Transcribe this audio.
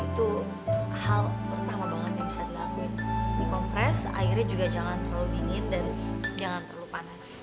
itu hal pertama banget yang bisa dilakuin dikompres airnya juga jangan terlalu dingin dan jangan terlalu panas